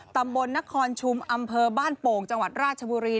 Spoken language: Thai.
ตำบลนครชุมอำเภอบ้านโป่งจังหวัดราชบุรี